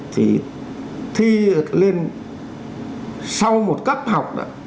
thì thi lên sau một cấp học